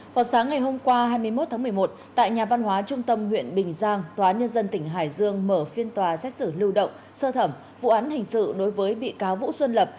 vào sáng ngày hôm qua hai mươi một tháng một mươi một tại nhà văn hóa trung tâm huyện bình giang tòa nhân dân tỉnh hải dương mở phiên tòa xét xử lưu động sơ thẩm vụ án hình sự đối với bị cáo vũ xuân lập